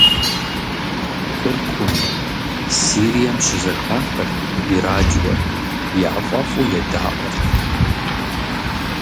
Тыркум, Сирием щызэхахырт ди радиор, яфӀэфӀу едаӀуэрт.